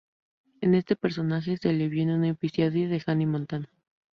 En este personaje se la vio en un episodio de "Hannah Montana".